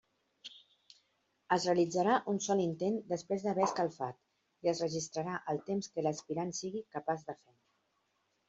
Es realitzarà un sol intent després d'haver escalfat i es registrarà el temps que l'aspirant sigui capaç de fer.